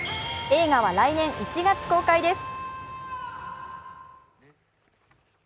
映画は来年１月公開です。